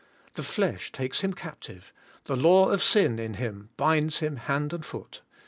The flesh takes him ca.ptive; the law of sin in him binds him hand and foot.